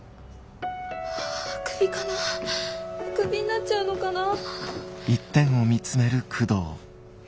はぁクビかなぁクビになっちゃうのかな。